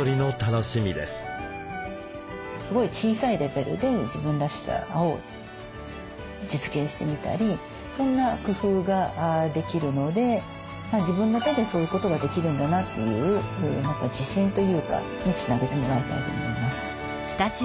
すごい小さいレベルで自分らしさを実現してみたりそんな工夫ができるので自分の手でそういうことができるんだなという自信というかにつなげてもらいたいと思います。